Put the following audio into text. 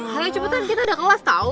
halauin cepetan kita ada kelas tau